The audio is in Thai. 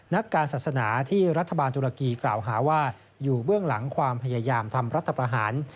นักการศาสนาที่รัฐบาลตุรกีกล่าวหาว่าอยู่เบื้องหลังความพยายามทำรัฐประหาร